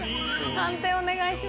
判定お願いします。